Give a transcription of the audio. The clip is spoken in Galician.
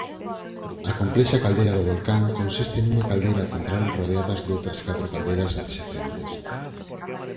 A complexa caldeira do volcán consiste nunha caldeira central rodeadas doutras catro caldeiras adxacentes.